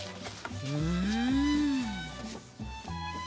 うん。